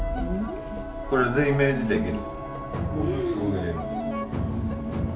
これでイメージできる？